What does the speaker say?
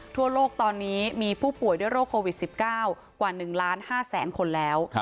ทั่วโลกตอนนี้มีผู้ป่วยด้วยโรคโควิด๑๙กว่า๑ล้าน๕แสนคนแล้ว